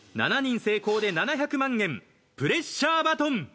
７人成功で７００万円プレッシャーバトン。